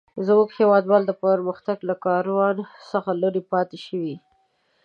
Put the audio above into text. زموږ هيوادوال د پرمختګ له کاروان څخه لري پاته شوي.